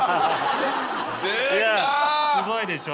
すごいでしょ？